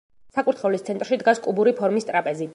საკურთხევლის ცენტრში დგას კუბური ფორმის ტრაპეზი.